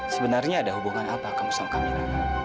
sebenarnya ada hubungan apa kamu sama kami